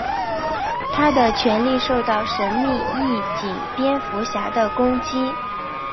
他的权力受到神秘义警蝙蝠侠的攻击。